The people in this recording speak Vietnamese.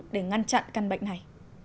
để ngăn chặn căn bệnh này